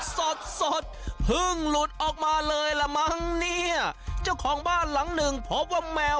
สดสดเพิ่งหลุดออกมาเลยละมั้งเนี่ยเจ้าของบ้านหลังหนึ่งพบว่าแมว